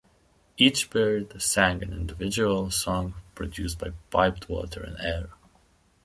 Each bird sang an individual song, produced by piped water and air.